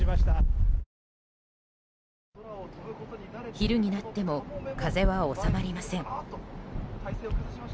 昼になっても風は収まりません。